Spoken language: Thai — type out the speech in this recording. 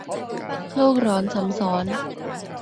โลกร้อนซ้ำซ้อน